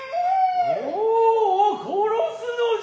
オオ殺すのじゃ。